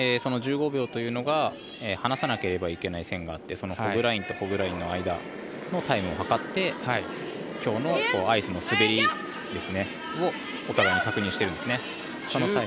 １５秒というのが離さなければいけない線があってそのホッグラインとホッグラインの間のタイムを計って今日のアイスの滑りをお互いに確認しているんですね。